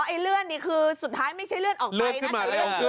อ๋อเอ้ยเลื่อนเนี่ยคือสุดท้ายไม่ใช่เลื่อนออกไป